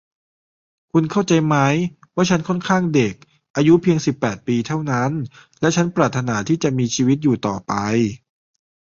คุณเข้าใจไหมว่าฉันค่อนข้างเด็ก อายุเพียงสิบแปดปีเท่านั้น และฉันปรารถนาที่จะมีชีวิตอยู่ต่อไป